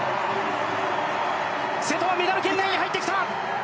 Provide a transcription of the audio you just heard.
瀬戸はメダル圏内に入ってきた！